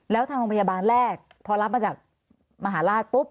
แล้วทางโรงพยาบาลแรกพอรับมาจากมหาราชปุ๊บ